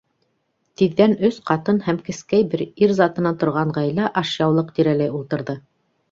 ...Тиҙҙән өс ҡатын һәм бер кескәй ир затынан торған ғаилә ашъяулыҡ тирәләй ултырҙы.